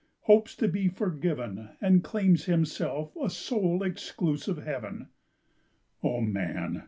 hopes to be forgiven, And claims himself a sole, exclusive Heaven. Oh, man!